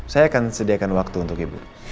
saya akan sediakan waktu untuk ibu